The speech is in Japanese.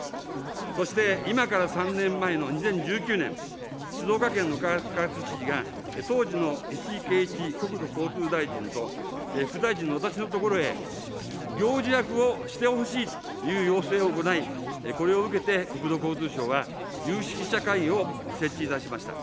そして今から３年前の２０１９年、静岡県の川勝知事が、当時の石井啓一国土交通大臣と、副大臣の私のところへ、行司役をしてほしいという要請を行い、これを受けて国土交通省は、有識者会議を設置いたしました。